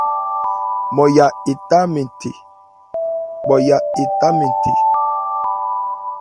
Nmɔya etá mɛ́n thè.